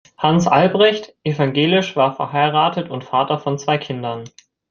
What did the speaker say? Hans Albrecht, evangelisch, war verheiratet und Vater von zwei Kindern.